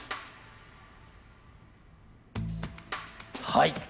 はい！